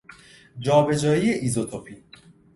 جابجایی ایزوتوپی